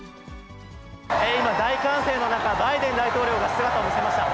今、大歓声の中、バイデン大統領が姿を見せました。